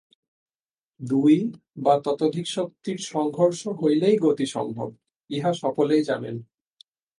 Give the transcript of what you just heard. দুই বা ততোধিক শক্তির সংঘর্ষ হইলেই গতি সম্ভব, ইহা সকলেই জানেন।